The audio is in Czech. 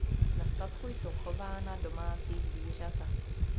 Na statku jsou chována domácí zvířata.